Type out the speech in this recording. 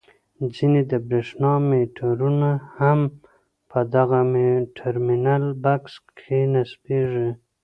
ځینې د برېښنا میټرونه هم په دغه ټرمینل بکس کې نصبیږي.